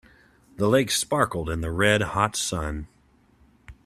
The lake sparkled in the red hot sun.